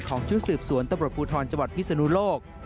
ของชู้สูบสวนตัวปรบภูทรชวดพิษณุโลก